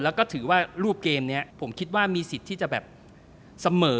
แล้วก็ถือว่ารูปเกมนี้ผมคิดว่ามีสิทธิ์ที่จะแบบเสมอ